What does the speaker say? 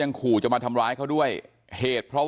พันให้หมดตั้ง๓คนเลยพันให้หมดตั้ง๓คนเลย